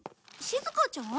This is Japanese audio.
しずかちゃん？